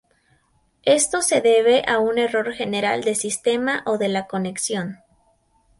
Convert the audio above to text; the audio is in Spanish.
Esto se debe a un error general del sistema o de la conexión.